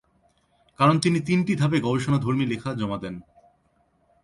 কারণ তিনি তিনটি ধাপে গবেষণাধর্মী লেখা জমা দেন।